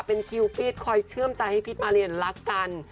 เป็นคิวฟีดคอยเชื่อมใจให้พิษมาเรียนรักกัน